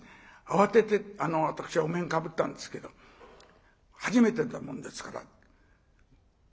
慌てて私はお面かぶったんですけど初めてなもんですから緊張してましてね